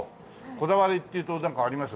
こだわりっていうとなんかあります？